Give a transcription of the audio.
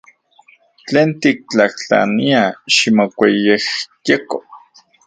Tlen tiktlajtlania, ximokuayejyeko.